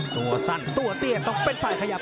ตัวสั้นตัวเตี้ยต้องเป็นฝ่ายขยับ